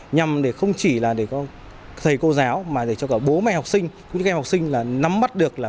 nhằm để không chỉ là để có thầy cô giáo mà để cho cả bố mẹ học sinh cũng như các em học sinh là nắm mắt được là